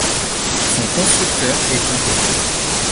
Son constructeur est inconnu.